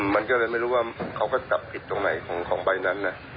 มันก็เลยไม่รู้ว่าเขาก็จับผิดตรงไหนของใบนั้นนะ